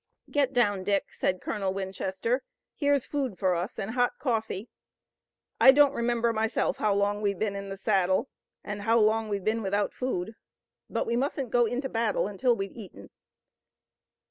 "Get down, Dick," said Colonel Winchester. "Here's food for us, and hot coffee. I don't remember myself how long we've been in the saddle and how long we've been without food, but we mustn't go into battle until we've eaten."